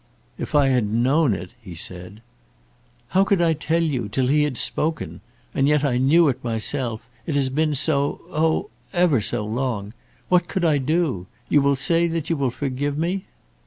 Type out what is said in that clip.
"If I had known it " he said. "How could I tell you, till he had spoken? And yet I knew it myself! It has been so, oh, ever so long! What could I do? You will say that you will forgive me."